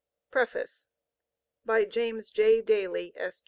with a preface by James J. Daly, S.